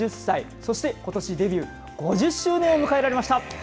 そして、ことしデビュー５０周年を迎えられました。